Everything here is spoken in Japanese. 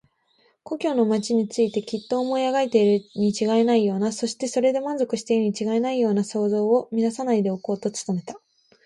故郷の町についてきっと思い描いているにちがいないような、そしてそれで満足しているにちがいないような想像を乱さないでおこうと努めた。